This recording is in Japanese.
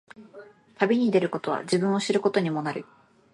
旅に出ることは、自分を知ることにもなる。